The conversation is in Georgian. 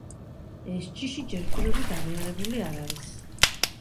ეს ჯიში ჯერჯერობით აღიარებული არ არის.